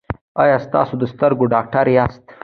ایا تاسو د سترګو ډاکټر یاست؟